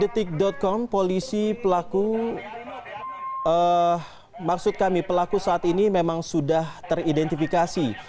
di detik com polisi pelaku maksud kami pelaku saat ini memang sudah teridentifikasi